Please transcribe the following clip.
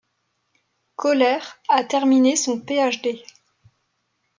Koller a terminé son Ph.D.